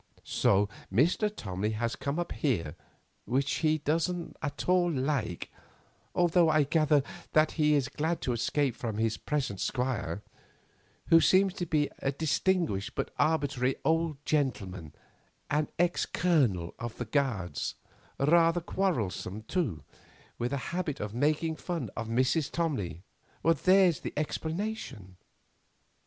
So Mr. Tomley has to come up here, which he doesn't at all like, although I gather that he is glad to escape from his present squire, who seems to be a distinguished but arbitrary old gentleman, an ex Colonel of the Guards; rather quarrelsome, too, with a habit of making fun of Mrs. Tomley. There's the explanation.